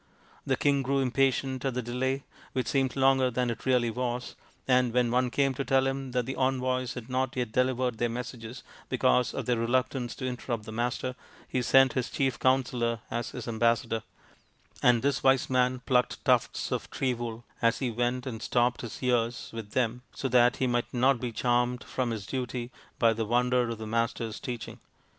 The king grew impatient at the delay, which seemed longer than it really was, and when one came to tell him that his envoys had not yet delivered their messages because of their reluct ance to interrupt the Master, he sent his chief counsellor as his ambassador ; and this wise man plucked tufts of tree wool as he went and stopped his ears with them so that he might not be charmed from his duty by the wonder of the Master's teaching.